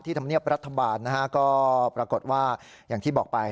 ธรรมเนียบรัฐบาลนะฮะก็ปรากฏว่าอย่างที่บอกไป